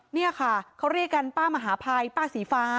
นี่ค่ะเขาเรียกกันป้ามหาภัยป้าสีฟ้า